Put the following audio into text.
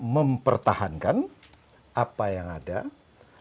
mempertahankan apa yang diperlukan